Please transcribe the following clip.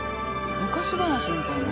昔話みたいな。